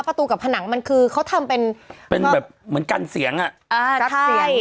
ประตูกับผนังมันคือเขาทำเป็นเป็นแบบเหมือนกันเสียงอ่ะอ่าซัดเสียง